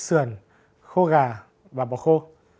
sườn khô gà và bò khô